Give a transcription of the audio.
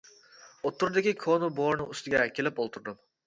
ئوتتۇرىدىكى كونا بورىنىڭ ئۈستىگە كېلىپ ئولتۇردۇم.